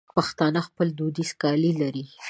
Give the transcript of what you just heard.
پښتانه خپل دودیز کالي لري.